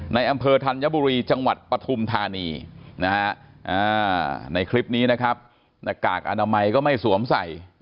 ในอำเภอธัญบุรีจังหวัดปฐุมธานีในคลิปนี้นะครับหน้ากากอนามัยก็ไม่สวมใส่